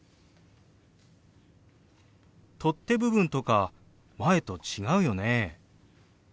取っ手部分とか前と違うよね？